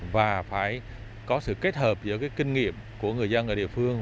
và phải có sự kết hợp giữa kinh nghiệm của người dân ở địa phương